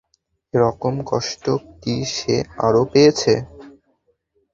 এ-রকম কষ্ট কি সে আরো পেয়েছে?